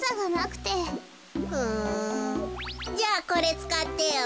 じゃあこれつかってよ。